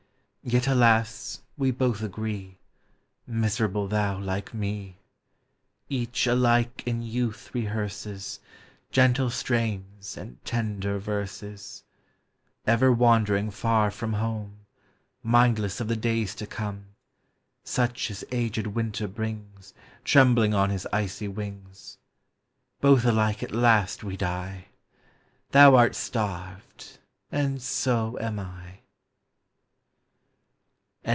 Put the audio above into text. Yet, alas, we both agree. Miserable thou like me! Each, alike, in youth rehearses Gentle strains and tender verses; Ever wandering far from home, Mindless of the days to come (Such as aged Winter brings Trembling on his icy wings), Both alike at last we die; Thou art starved, and so am I